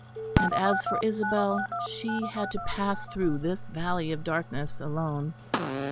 And as for Isabel, she had to pass through this valley of darkness alone.